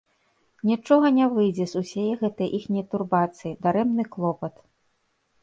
Нічога не выйдзе з усяе гэтае іхняе турбацыі, дарэмны клопат!